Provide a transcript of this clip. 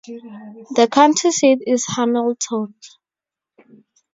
The county seat is Hamilton.